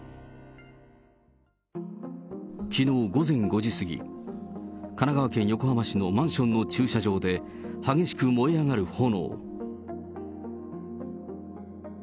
きのう午前５時過ぎ、神奈川県横浜市のマンションの駐車場で、激しく燃え上がる炎。